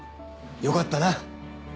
よかったな。